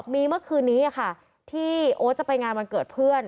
มีเมื่อคืนนี้ค่ะที่โอ๊ตจะไปงานวันเกิดเพื่อน